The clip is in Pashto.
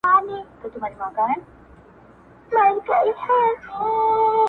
د پيشو په مخكي زوره ور نه پردى سي!.